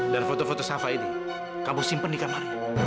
dan foto foto sava ini kamu simpen di kamarnya